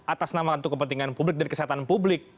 atas nama untuk kepentingan publik dan kesehatan publik